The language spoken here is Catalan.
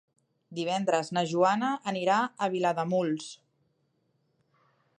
Divendres na Joana anirà a Vilademuls.